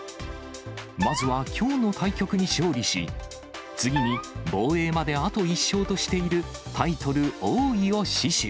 まずはきょうの対局に勝利し、次に防衛まであと１勝としているタイトル、王位を死守。